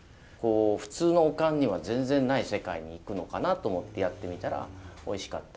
普通のお燗には全然ない世界に行くのかなと思ってやってみたらおいしかった。